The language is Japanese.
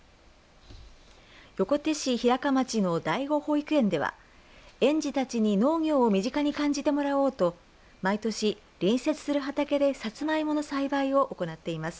横手市平鹿町の醍醐保育園では園児たちに農業を身近に感じてもらおうと毎年、隣接する畑でサツマイモの栽培を行っています。